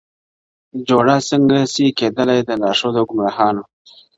جوړه څنګه سي کېدلای د لارښود او ګمراهانو،